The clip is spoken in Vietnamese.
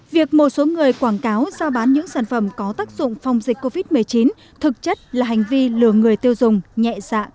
việc một số người quảng cáo giao bán những sản phẩm có tác dụng phòng dịch covid một mươi chín thực chất là hành vi lừa người tiêu dùng nhẹ dạng